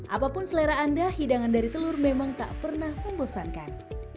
apapun selera anda hidangan dari telur memang tak pernah membosankan